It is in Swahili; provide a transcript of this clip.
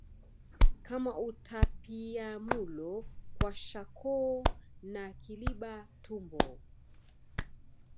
kama utapiamulo kwashakoo na kiliba tumbo